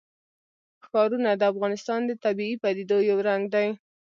ښارونه د افغانستان د طبیعي پدیدو یو رنګ دی.